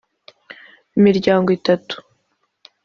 Imiryango itatu